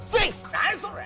何やそれ！